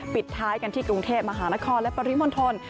ปิดท้ายกันที่กรุงเทพมหานครและปริมณฑล